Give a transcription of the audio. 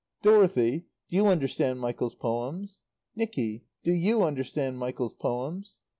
"Dorothy, do you understand Michael's poems?" "Nicky, do you understand Michael's poems?"